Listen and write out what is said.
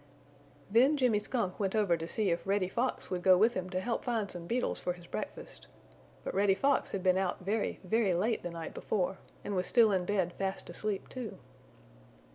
Then Jimmy Skunk went over to see if Reddy Fox would go with him to help find some beetles for his breakfast. But Reddy Fox had been out very, very late the night before and was still in bed fast asleep, too.